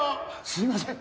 すみません！